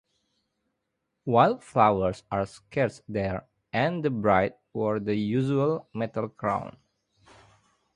Wildflowers are scarce there, and the bride wore the usual metal crown.